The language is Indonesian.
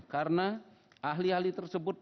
karena ahli ahli tersebut